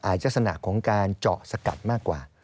ลักษณะของการเจาะสกัดมากกว่า